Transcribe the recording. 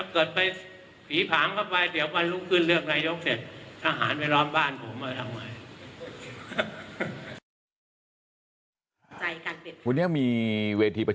เกิดมาประจัดให้ผมไปรียกนายกอ่ะ